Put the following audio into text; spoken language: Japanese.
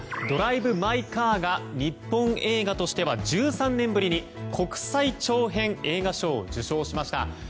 「ドライブ・マイ・カー」が日本映画としては１３年ぶりに国際長編映画賞を受賞しました。